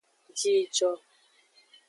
Jijo.